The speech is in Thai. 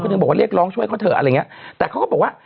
ถึงบอกว่าเรียกร้องช่วยเขาเถอะอะไรอย่างเงี้ยแต่เขาก็บอกว่า